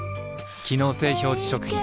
機能性表示食品